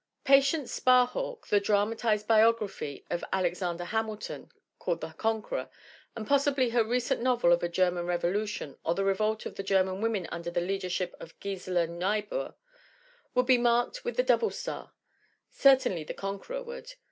Patience Sparhawk, the dramatized biography of Alexander Hamilton called The Conqueror, and possibly her recent novel of a German revolution, or the revolt of the German women under the leadership of Gisela Niebuhr, would be marked with the double star; certainly The Conqueror would.